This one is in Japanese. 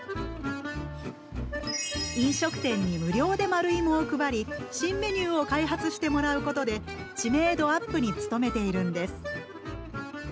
飲食店に無料で丸いもを配り新メニューを開発してもらうことで知名度ＵＰに務めているんです。